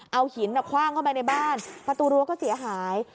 เอาหินคว่างเข้าไปในบ้านประตูรั้วก็เสียหาย